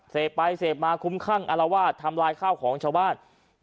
เสพไปเสพมาคุ้มคั่งอารวาสทำลายข้าวของชาวบ้าน